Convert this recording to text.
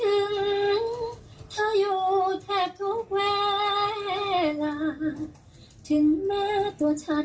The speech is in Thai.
มาส่งกำลังใจให้แฟนเพลงด้วยนะฮะเป็นยังไงไปติดตามครับ